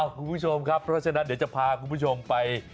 คุณผู้ชมครับเพราะฉะนั้นเดี๋ยวจะพาคุณผู้ชมไป